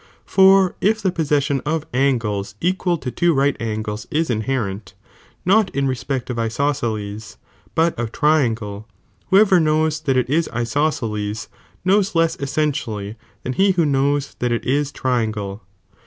For if the posseasion of angles equal to two right angles ia inherent, not in respect of isosceles, but of triangle, whoever knows that it is isosceles knows less essentially' than he who knows that it is triangle.